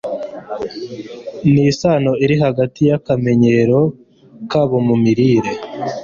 nisano iri hagati yakamenyero kabo mu mirire